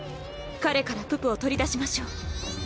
彼からププを取り出しましょう。